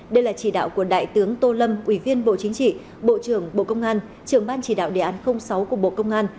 đây là chỉ đạo của đại tướng tô lâm ủy viên bộ chính trị bộ trưởng bộ công an trưởng ban chỉ đạo đề án sáu của bộ công an